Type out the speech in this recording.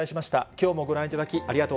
きょうもご覧いただき、ありがと